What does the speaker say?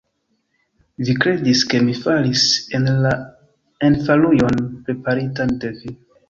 Vi kredis, ke mi falis en la enfalujon preparitan de vi.